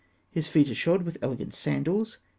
His feet are shod with elegant sandals.